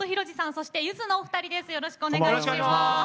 そして、ゆずのお二人です。